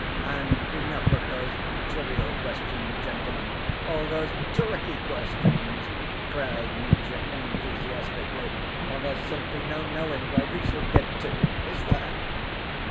"And enough of those trivial questions, gentlemen, all those tricky questions!" cried Mitya enthusiastically. "Or there's simply no knowing where we shall get to! Is there?"